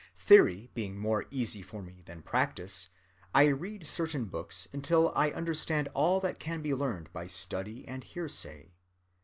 Theory being more easy for me than practice, I read [certain books] until I understood all that can be learned by study and hearsay.